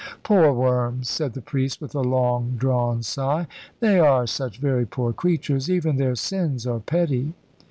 "Poor worms," said the priest with a long drawn sigh. "They are such very poor creatures. Even their sins are petty."